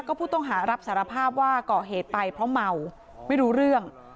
ผู้ต้องหารับสารภาพว่าก่อเหตุไปเพราะเมาไม่รู้เรื่อง